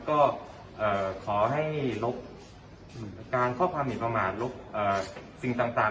ก็ขอให้ลบการข้อความหมินประมาทลบสิ่งต่าง